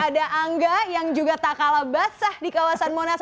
ada angga yang juga tak kalah basah di kawasan monas